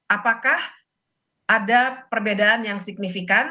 apakah ada perbedaan yang signifikan